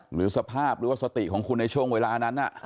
หรือสภาพหรือว่าสติของคุณในช่วงเวลานั้น